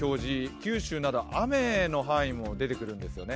九州など雨の範囲も出てくるんですよね。